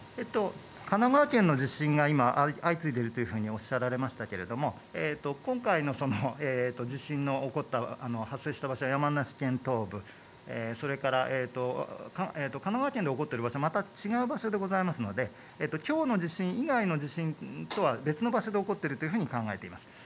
神奈川県の地震が今相次いでいるとおっしゃられましたけれども、今回の地震の起こった発生した場所は山梨県東部、それから神奈川県で起こったのはまた違う場所でありますので、きょうの地震以外の地震とは別の場所で起こっていると考えています。